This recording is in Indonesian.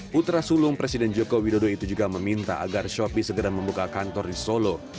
putra sulung presiden joko widodo itu juga meminta agar shopee segera membuka kantor di solo